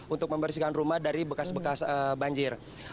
untuk membersihkan rumah dari bekas bekas banjir